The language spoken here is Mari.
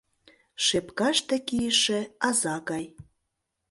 Шепкаште кийыше аза гай.